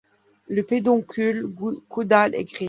Le pédoncule caudal est gris.